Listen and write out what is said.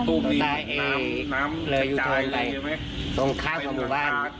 ตรงซ้ายเนี่ยละอยู่ช้อนไปตรงข้าวกับหมู่บ้าน